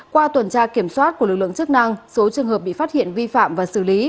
qua tuần tra kiểm soát của lực lượng chức năng số trường hợp bị phát hiện vi phạm và xử lý